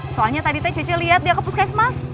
soalnya tadi teh cece lihat dia ke puskesmas